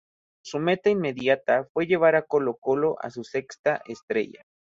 Su meta inmediata fue llevar a Colo-Colo a su sexta estrella.